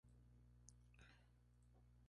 Forma parte de la Mesa de Unidad de Los Verdes.